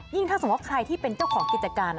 ถ้าสมมุติว่าใครที่เป็นเจ้าของกิจการ